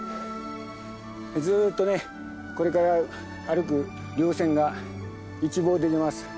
ずっとねこれから歩く稜線が一望できます。